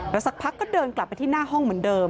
แล้วสักพักก็เดินกลับไปที่หน้าห้องเหมือนเดิม